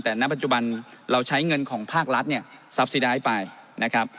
แต่ณปัจจุบันเราใช้เงินของภากรัฐสับสีได้ให้ไป